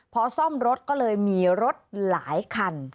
พอซ่อมรถก็เลยมีรถหลายคัน